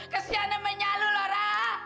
kesiannya punya lo laura